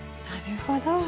なるほど。